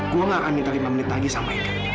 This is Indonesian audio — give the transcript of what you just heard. gua gak akan minta lima menit lagi sama engkir